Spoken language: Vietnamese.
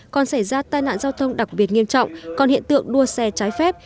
còn xảy ra tai nạn giao thông đặc biệt nghiêm trọng còn hiện tượng đua xe trái phép